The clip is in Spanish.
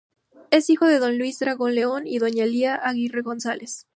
Es hijo de don Luis Drago León y doña Lía Aguirre González.